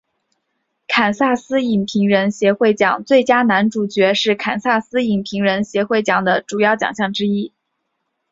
堪萨斯影评人协会奖最佳男主角是堪萨斯影评人协会奖的主要奖项之一。